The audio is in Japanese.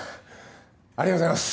ありがとうございます！